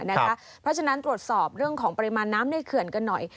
เพราะฉะนั้นตรวจสอบเรื่องของปริมาณน้ำในเขื่อนกันหน่อย